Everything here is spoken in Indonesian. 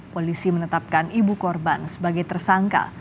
polisi menetapkan ibu korban sebagai tersangka